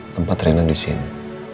tempat rena di sini